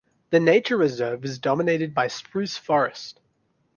The nature reserve is dominated by spruce forest.